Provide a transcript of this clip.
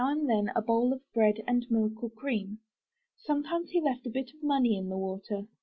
25 MY BOOK HOUSE and then a bowl of bread and milk or cream. Sometimes he left a bit of money in the water.